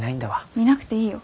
見なくていいよ。